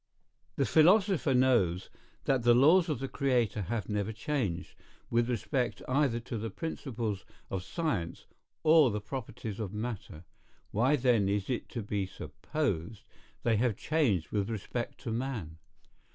The philosopher knows that the laws of the Creator have never changed, with respect either to the principles of science, or the properties of matter. Why then is it to be supposed they have changed with respect to man?